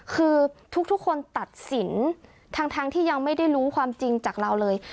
คือทุกคนตัดสินทั้งที่ยังไม่ได้รู้ความจริงจากเราเลย